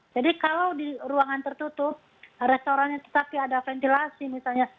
jadi kalau di ruangan tertutup restorannya tetap ada ventilasi misalnya